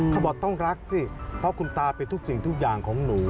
เขาบอกต้องรักสิเพราะคุณตาเป็นทุกสิ่งทุกอย่างของหนู